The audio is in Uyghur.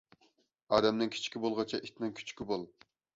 ئادەمنىڭ كىچىكى بولغۇچە، ئىتنىڭ كۈچۈكى بول.